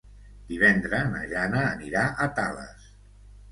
Divendres na Jana anirà a Tales.